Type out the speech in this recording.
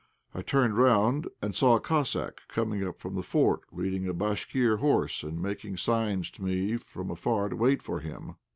I turned round, and saw a Cossack coming up from the fort, leading a Bashkir horse, and making signs to me from afar to wait for him.